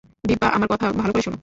দিব্যা, আমার কথা ভালো করে শোন।